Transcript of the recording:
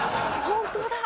本当だ！